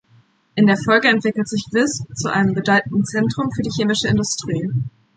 In der Folge entwickelt sich Visp zu einem bedeutenden Zentrum für die Chemische Industrie.